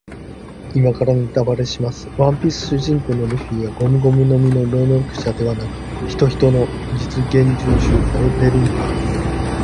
今からネタバレします。ワンピース主人公のルフィはゴムゴムの実の能力者ではなく、ヒトヒトの実幻獣種モデルニカです。